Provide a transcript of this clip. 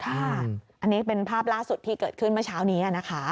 อันนี้เป็นภาพล่าสุดที่เกิดขึ้นเมื่อเช้านี้นะคะ